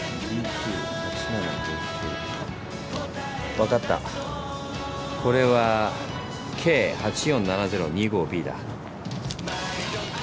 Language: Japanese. わかったこれはＫ８４７０２５Ｂだ。